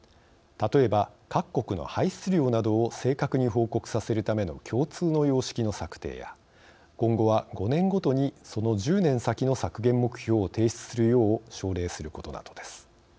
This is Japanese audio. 例えば各国の排出量などを正確に報告させるための共通の様式の策定や今後は５年ごとにその１０年先の削減目標を提出するよう奨励することなどです。